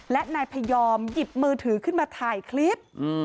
และนายพยอมหยิบมือถือขึ้นมาถ่ายคลิป